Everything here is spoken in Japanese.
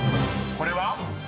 ［これは？］